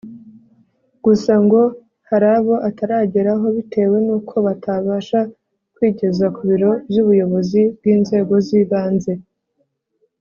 gusa ngo hari abo atageraho bitewe n’ uko batabasha kwigeza ku biro by’ ubuyobozi bw’ inzego z’ ibanze